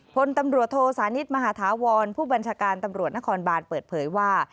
พลตำรวจโทสานิทมหาธาวรผู้บัญชาการตำรวจนครบานเปิดเผยว่า